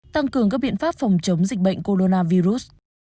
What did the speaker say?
tăng cường các biện pháp phòng chống dịch bệnh coronavirus